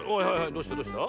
どうしたどうした？